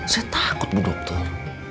saya takut bu dokter